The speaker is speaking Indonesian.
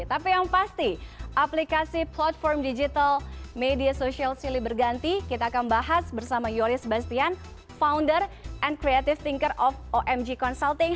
tapi yang pasti aplikasi platform digital media sosial silih berganti kita akan bahas bersama yoris bastian founder and creative thinker of omg consulting